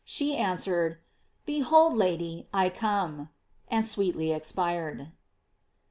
She answered: "Behold, Lady, I come," and sweetly expired.* 65.